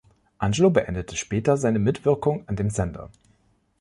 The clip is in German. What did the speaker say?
Angelo beendete später seine Mitwirkung an dem Sender.